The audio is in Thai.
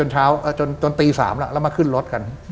จนตี๓แล้วแล้วมาขึ้นรถกัน